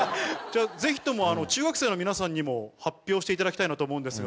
ぜひとも中学生の皆さんにも発表していただきたいなと思うんですが。